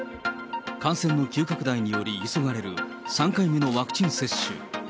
感染の急拡大により急がれる３回目のワクチン接種。